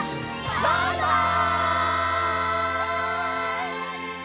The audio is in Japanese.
バイバイ！